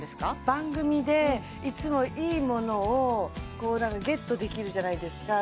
番組でいつもいいものをゲットできるじゃないですか